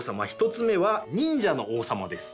１つ目は忍者の王様です。